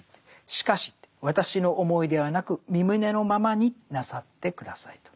「しかしわたしの思いではなくみ旨のままになさってください」と。